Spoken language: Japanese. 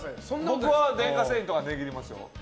僕は電化製品とかは値切りますよ。